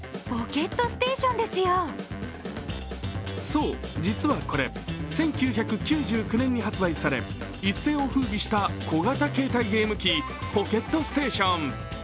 そう、実はこれ、１９９９年に発売され一世をふうびした小型携帯ゲーム機・ポケットステーション。